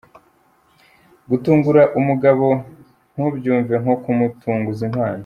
Gutungura umugabo ntubyumve nko kumutunguza impano.